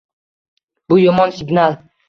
Bu yomon signal